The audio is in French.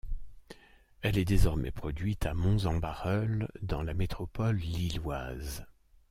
Elle est désormais produite à Mons-en-Barœul dans la métropole lilloise.